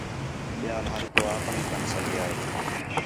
ٻِیال ہر کو آپݨے کَم ساں ڳِیا ہے